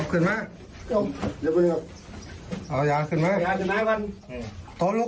หรอ